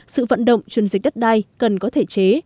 sự vận động chuyên dịch đất đai cần có thể chế